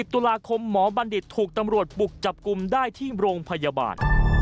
ตุลาคมหมอบัณฑิตถูกตำรวจบุกจับกลุ่มได้ที่โรงพยาบาล